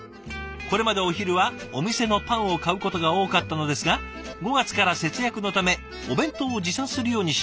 これまでお昼はお店のパンを買うことが多かったのですが５月から節約のためお弁当を持参するようにしました」ですって。